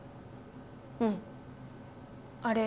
うんあれ